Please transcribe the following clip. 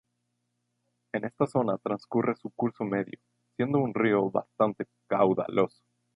En esta zona transcurre su curso medio, siendo un río bastante caudaloso.